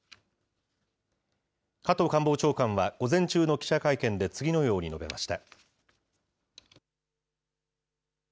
加藤官房長官は、午前中の記者会見で次のように述べました。